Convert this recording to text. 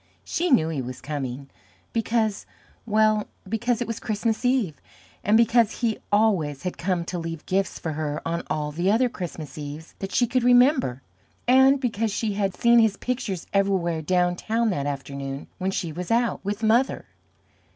She knew he was coming, because well, because it was Christmas Eve, and because he always had come to leave gifts for her on all the other Christmas Eves that she could remember, and because she had seen his pictures everywhere down town that afternoon when she was out with Mother.